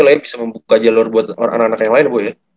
oke lah ya bisa membuka jalur buat anak anak yang lain ya